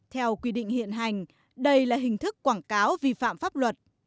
theo quy định hiện hành đây là hình thức quảng cáo vi phạm pháp luật